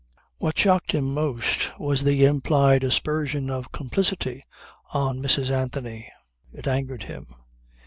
What shocked him most was the implied aspersion of complicity on Mrs. Anthony. It angered him.